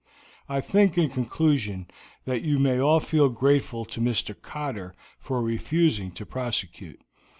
I think, in conclusion, that you may all feel grateful to Mr. Cotter for refusing to prosecute.